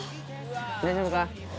大丈夫か？